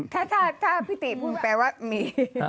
ถ้าพิธีมันแปลว่ามี